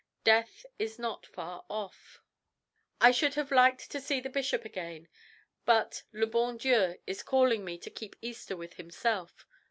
Death is not far off. I should have liked to see the Bishop again, but le bon Dieu is calling me to keep Easter with Himself.